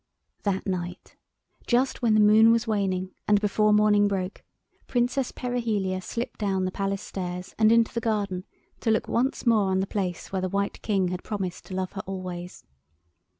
That night, just when the moon was waning, and before morning broke, Princess Perihelia slipped down the Palace stairs and into the garden to look once more on the place where the White King had promised to love her always.